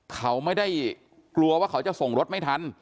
เขาไม่ได้กลัวว่าเขาจะส่งรถไม่ทัน